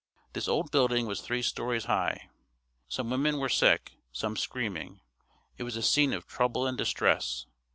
This old building was three stories high. Some women were sick, some screaming. It was a scene of trouble and distress.